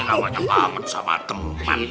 awalnya paham sama teman